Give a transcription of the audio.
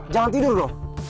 jangan tidur dong